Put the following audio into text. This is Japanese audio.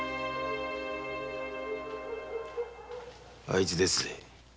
あいつですぜ。